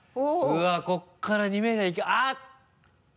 うわっここから２ｍいけあっ！